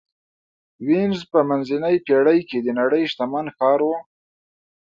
وینز په منځنۍ پېړۍ کې د نړۍ شتمن ښار و.